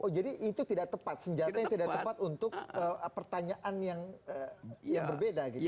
oh jadi itu tidak tepat senjata yang tidak tepat untuk pertanyaan yang berbeda gitu